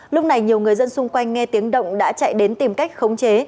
lúc này nhiều người dân xung quanh nghe tiếng động đã chạy đến tìm cách khống chế